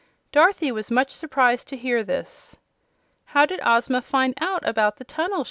Dorothy was much surprised to hear this. "How did Ozma find out about the tunnel?"